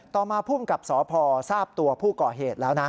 ต่อมาภูมิกับสพทราบตัวผู้ก่อเหตุแล้วนะ